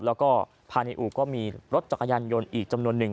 แล้วก็ภายในอู่ก็มีรถจักรยานยนต์อีกจำนวนหนึ่ง